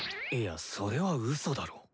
いやそれはウソだろ。